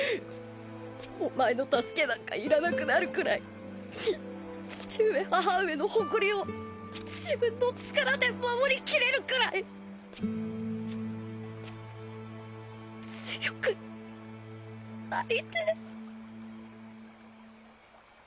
お前の助けなんかいらなくなるくらい父上母上の誇りを自分の力で守りきれるくらい強くなりてえ。